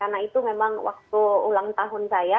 karena itu memang waktu ulang tahun saya